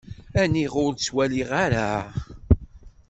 Aniɣ ur tettwaliḍ ara?